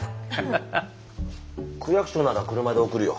区役所なら車で送るよ。